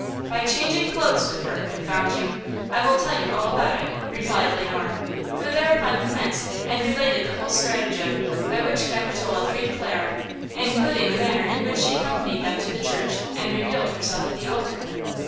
"By changing clothes with her, confound you! I will tell you all about it," replied Le Noir, who thereupon commenced and related the whole stratagem by which Capitola freed Clara, including the manner in which she accompanied them to the church and revealed herself at the altar.